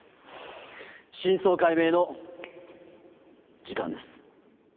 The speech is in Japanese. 真相解明の時間です。